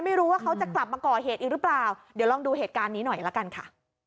ไม่รู้ว่าเขาจะกลับมาก่อเหตุอีกหรือเปล่าเดี๋ยวลองดูเหตุการณ์นี้หน่อยละกันค่ะ